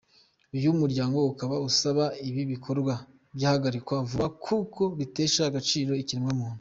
Uyu muryango ukaba usaba ko ibi bikorwa byahagarikwa vuba kuko bitesha agaciro ikiremwa muntu.